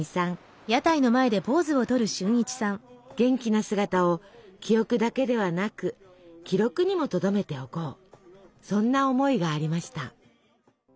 元気な姿を記憶だけではなく記録にもとどめておこうそんな思いがありました。